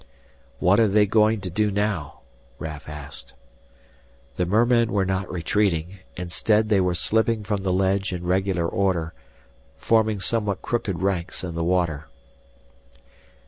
"What are they going to do now?" Raf asked. The mermen were not retreating, instead they were slipping from the ledge in regular order, forming somewhat crooked ranks in the water.